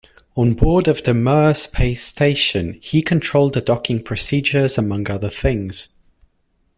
On board the Mir space station, he controlled the docking procedures among other things.